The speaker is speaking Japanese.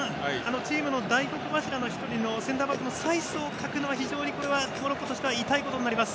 チームの大黒柱の１人のセンターバックのサイスを欠くのは非常にモロッコとしては痛いことになります。